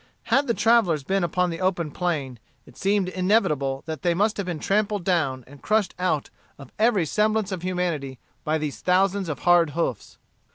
Had the travellers been upon the open plain, it seemed inevitable that they must have been trampled down and crushed out of every semblance of humanity by these thousands of hard hoofs.